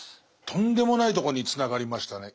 とんでもないとこにつながりましたね。